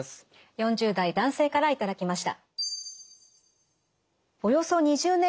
４０代男性から頂きました。